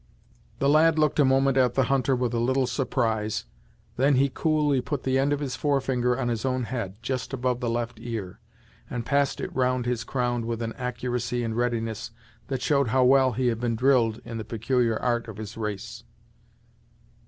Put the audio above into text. The lad looked a moment at the hunter with a little surprise. Then he coolly put the end of his fore finger on his own head, just above the left ear, and passed it round his crown with an accuracy and readiness that showed how well he had been drilled in the peculiar art of his race.